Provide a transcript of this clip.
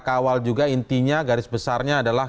kawal juga intinya garis besarnya adalah